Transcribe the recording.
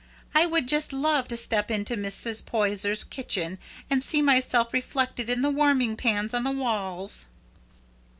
I would just love to step into Mrs. Poyser's kitchen and see myself reflected in the warming pans on the walls."